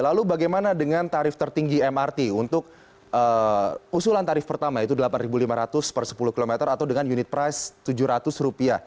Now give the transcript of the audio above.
lalu bagaimana dengan tarif tertinggi mrt untuk usulan tarif pertama yaitu rp delapan lima ratus per sepuluh km atau dengan unit price rp tujuh ratus